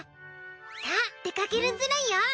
さあ出かけるズラよ。